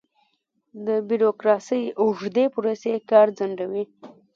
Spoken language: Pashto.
د بیروکراسۍ اوږدې پروسې کار ځنډوي.